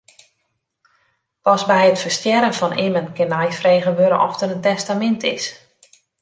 Pas by it ferstjerren fan immen kin neifrege wurde oft der in testamint is.